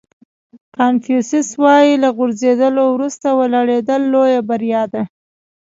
کانفیوسیس وایي له غورځېدلو وروسته ولاړېدل لویه بریا ده.